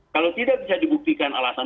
kalau tidak bisa dibuktikan alasan